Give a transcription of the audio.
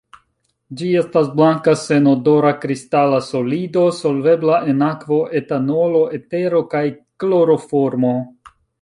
Ĝi estas blanka senodora kristala solido, solvebla en akvo, etanolo, etero kaj kloroformo.